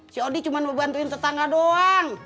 si odi cuman ngebantuin tetangga doang